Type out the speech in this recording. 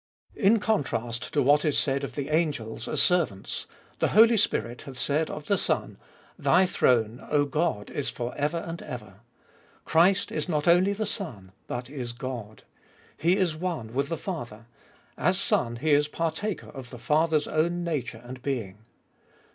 xlv. 7, 8). IN contrast to what is said of the angels as servants, the Holy Spirit hath said of the Son, Thy throne, 0 God, is for ever and ever. Christ is not only the Son, but is God. He is one with the Father : as Son He is partaker of the Father's own nature and being.